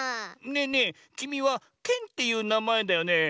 ねえねえきみはケンっていうなまえだよね？